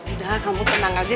udah kamu tenang aja